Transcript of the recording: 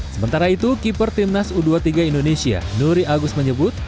sementara itu keeper timnas u dua puluh tiga indonesia nuri agus menyebut